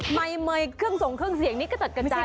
เมยเครื่องส่งเครื่องเสียงนี้กระจัดกระจาย